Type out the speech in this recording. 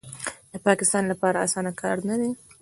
د پاکستان لپاره اسانه کار نه دی